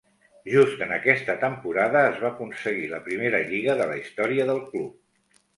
Just en aquesta temporada es va aconseguir la primera Lliga de la història del club.